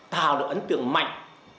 tạo được ấn tượng mạnh